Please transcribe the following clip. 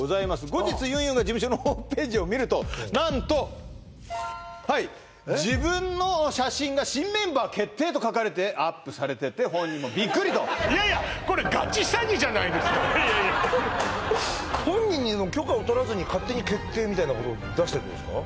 後日ゆんゆんが事務所のホームページを見ると何とはい自分の写真が新メンバー決定と書かれてアップされてて本人もビックリ！といやいやこれ本人の許可を取らずに勝手に決定みたいなこと出してるんですか？